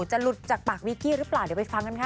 จะหลุดจากปากวิกกี้หรือเปล่าเดี๋ยวไปฟังกันค่ะ